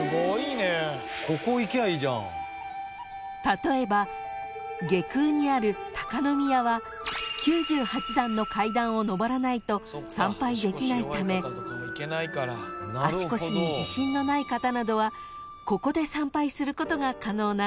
［例えば外宮にある多賀宮は９８段の階段を上らないと参拝できないため足腰に自信のない方などはここで参拝することが可能なんです］